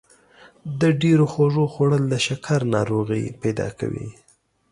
د ډېرو خوږو خوړل د شکر ناروغي پیدا کوي.